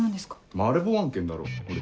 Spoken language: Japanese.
マルボウ案件だろほれ。